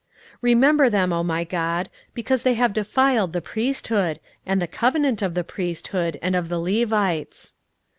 16:013:029 Remember them, O my God, because they have defiled the priesthood, and the covenant of the priesthood, and of the Levites.